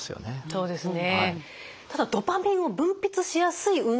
そうですね。